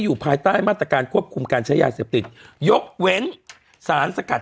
ภายใต้มาตรการควบคุมการใช้ยาเสพติดยกเว้นสารสกัด